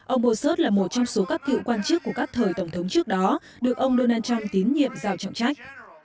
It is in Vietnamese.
ông bosert là một trong số các cựu quan chức của các thời tổng thống trước đó được ông donald trump tín nhiệm giao trọng trách